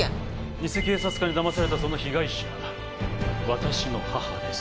偽警察官にだまされたその被害者、私の母です。